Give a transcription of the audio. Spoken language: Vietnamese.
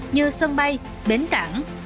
như sân bay bến cảng